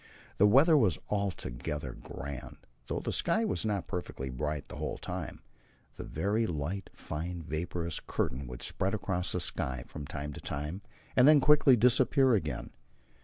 The weather was altogether grand, though the sky was not perfectly bright the whole time. A very light, fine, vaporous curtain would spread across the sky from time to time, and then quickly disappear again.